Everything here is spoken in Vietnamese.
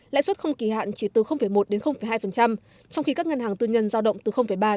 lãi suất không kỳ hạn chỉ từ một đến hai trong khi các ngân hàng tư nhân giao động từ ba mươi